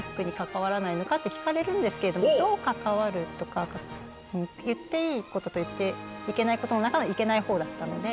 けどどう関わるとか言っていいことと言っていけないことの中のいけないほうだったので。